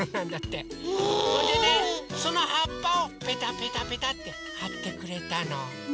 それでねそのはっぱをペタペタペタってはってくれたの。